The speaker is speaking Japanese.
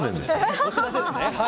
こちらですね